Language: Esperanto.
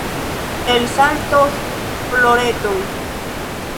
Elsaltos floretoj.